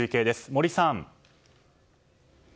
森さん。